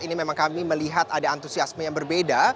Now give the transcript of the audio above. ini memang kami melihat ada antusiasme yang berbeda